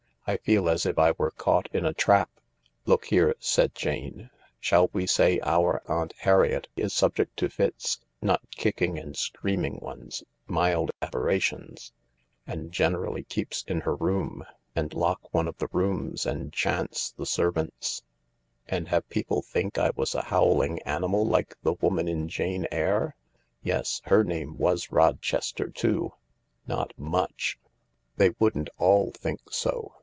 "I feel as if I were caught in a trap." " Look here," said Jane, " shall we say our Aunt Harriet is subject to fits— not kicking and screaming ones, mild aberrations — and generally keeps in her room ? And lock one of the rooms and chance the servants ?" "And have people think I was a howling animal like the woman in ' Jane Eyre '— yes, her name was Rochester, too^— not much I " "They wouldn't all think so.